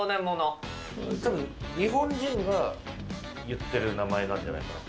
たぶん、日本人が言ってる名前なんじゃないかなと。